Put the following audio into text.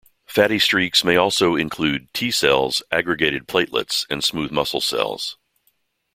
Fatty streaks may also include T cells, aggregated platelets, and smooth muscle cells.